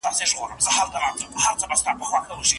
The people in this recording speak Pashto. د يوسف عليه السلام قصه ډېره جالبه ده.